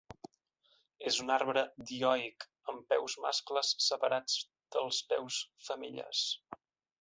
És un arbre dioic amb peus mascles separats dels peus femelles.